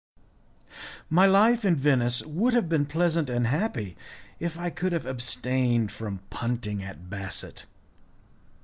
My life in Venice would have been pleasant and happy, if I could have abstained from punting at basset.